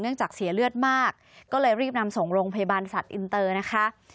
จากเสียเลือดมากก็เลยรีบนำส่งโรงพยาบาลสัตว์อินเตอร์นะคะ